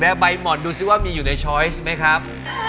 เดี๋ยวดูซิว่ามีอยู่ในช้อยซ์มั้ยครับ